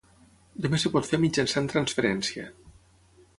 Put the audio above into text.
Només es pot fer mitjançant transferència.